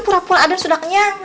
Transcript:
pura pura aden sudah kenyang